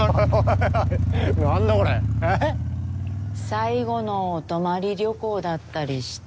最後のお泊まり旅行だったりして。